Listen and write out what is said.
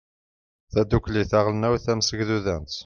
tadukli taɣelnawt tamsegdudant